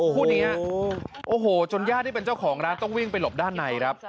คู่นี้โอ้โหจนญาติที่เป็นเจ้าของร้านต้องวิ่งไปหลบด้านในครับ